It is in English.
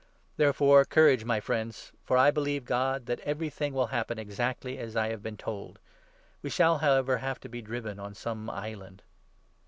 Therefore, courage, my friends ! for I believe God, 25 that everything will happen exactly as I have been told. We 26 shall, however, have to be driven on some island."